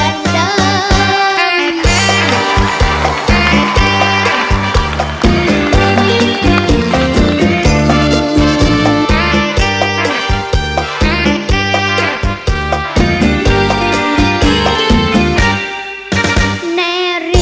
น้องนับวันตั้งตารอ